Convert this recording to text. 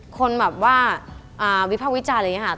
คนแบบว่าวิภาควิจารณ์อะไรอย่างนี้ค่ะ